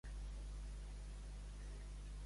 Any bixest, any de bessons.